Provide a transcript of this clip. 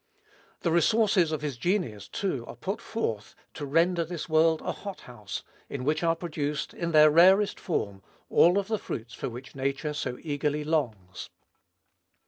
The resources of his genius, too, are put forth to render this world a hot house, in which are produced, in their rarest form, all the fruits for which nature so eagerly longs.